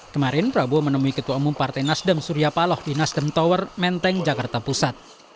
kemarin prabowo menemui ketua umum partai nasdem surya paloh di nasdem tower menteng jakarta pusat